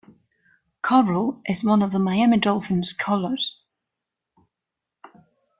Coral is one of the Miami Dolphins' colors.